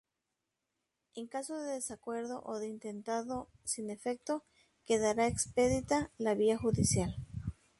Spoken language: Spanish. En caso de desacuerdo o de intentado sin efecto, quedará expedita la vía judicial.